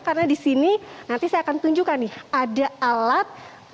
karena di sini nanti saya akan tunjukkan nih ada alat